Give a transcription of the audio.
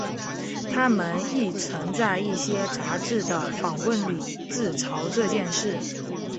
他们亦曾在一些杂志的访问里自嘲这件事。